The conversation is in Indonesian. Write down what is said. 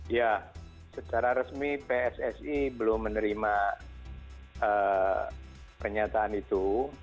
ya secara resmi pssi belum menerima pernyataan itu